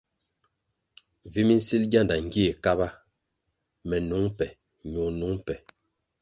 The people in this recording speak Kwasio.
Vi minsil gyanda gie Kaba, me nung be ño nung be.